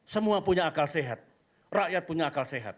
semua punya akal sehat rakyat punya akal sehat